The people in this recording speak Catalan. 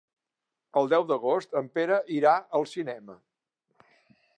El deu d'agost en Pere irà al cinema.